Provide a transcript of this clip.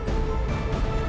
aku akan buktikan